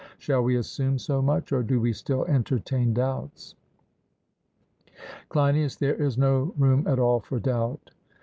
Shall we assume so much, or do we still entertain doubts? CLEINIAS: There is no room at all for doubt.